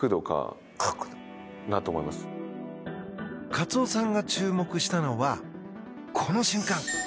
カツオさんが注目したのはこの瞬間。